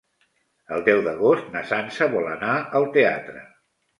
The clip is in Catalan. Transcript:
El deu d'agost na Sança vol anar al teatre.